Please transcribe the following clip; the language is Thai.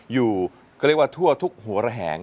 อยู่ก็เรียกว่าทั่วทุกหัวระแหง